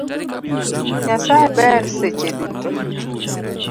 Nyasaye ber seche duto